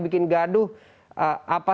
bikin gaduh apa